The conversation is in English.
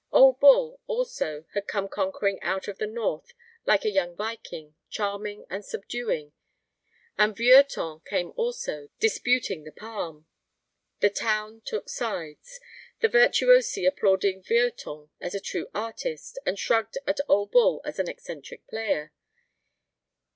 Ole Bull, also, had come conquering out of the North like a young Viking, charming and subduing, and Vieuxtemps came also, disputing the palm. The town took sides. The virtuosi applauded Vieuxtemps as a true artist, and shrugged at Ole Bull as an eccentric player.